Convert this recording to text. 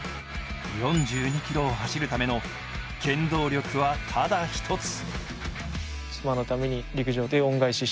４２ｋｍを走るための原動力はただ一つ。